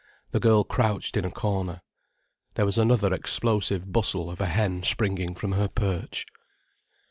The girl crouched in a corner. There was another explosive bustle of a hen springing from her perch.